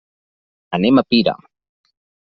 Anem a Pira.